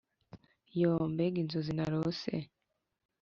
yoo, mbega inzozi narose.